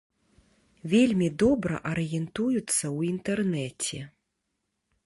Вельмі добра арыентуюцца ў інтэрнэце.